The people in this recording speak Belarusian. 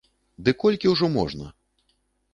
Ды колькі ўжо можна?